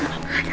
aku mau ke rumah